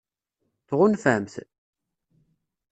Tɣunfam-t?